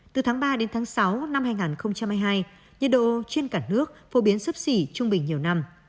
từ tháng ba đến tháng sáu năm hai nghìn hai mươi hai nhiệt độ trên cả nước phổ biến sấp xỉ trung bình nhiều năm